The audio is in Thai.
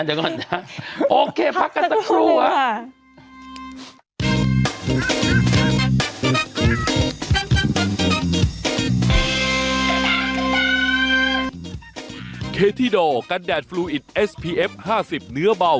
เดี๋ยวก่อนนะโอเคพักกันสักครู่